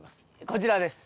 こちらです。